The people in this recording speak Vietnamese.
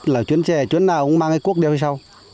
là chuyến xe chuyến nào cũng mang cái quốc đeo đi sau